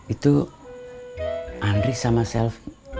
itu andri sama self